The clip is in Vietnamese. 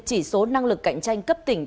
chỉ số năng lực cạnh tranh cấp tỉnh